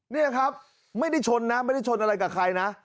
นี่ครับไม่ได้ชนนะไม่ได้ชนอะไรกับใครนะ